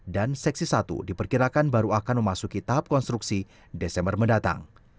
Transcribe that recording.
seksi satu diperkirakan baru akan memasuki tahap konstruksi desember mendatang